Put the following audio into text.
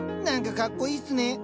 何かかっこいいっすね。